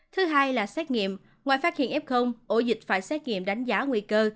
thứ hai là xét nghiệm ngoài phát hiện f ổ dịch phải xét nghiệm đánh giá nguy cơ